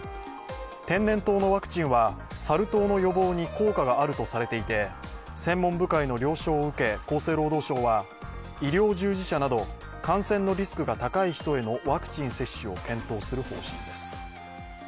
天然痘のワクチンはサル痘の予防に効果があるとされていて専門部会の了承を受け、厚生労働省は医療従事者など感染のリスクが高い人へのワクチン接種を検討する方針です。